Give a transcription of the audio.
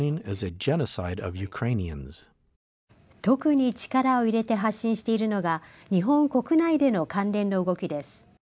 特に力を入れて発信しているのが日本国内での関連の動きです。